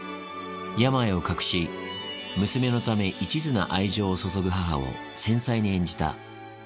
病を隠し、娘のため、いちずな愛情を注ぐ母を繊細に演じた。